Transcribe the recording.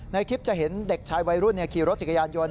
ในคลิปจะเห็นเด็กชายวัยรุ่นขี่รถจักรยานยนต